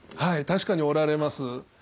確かにおられます。